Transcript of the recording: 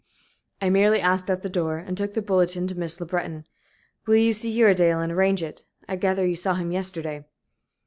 "I merely asked at the door, and took the bulletin to Miss Le Breton. Will you see Uredale and arrange it? I gather you saw him yesterday."